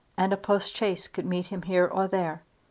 And a postchaise could meet him here or there.